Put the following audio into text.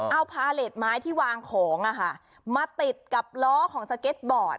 เอาพาเลสไม้ที่วางของมาติดกับล้อของสเก็ตบอร์ด